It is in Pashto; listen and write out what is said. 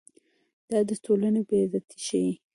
دا د ټولنې بې عزتي ښيي.